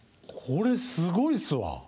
これすごいっすわ。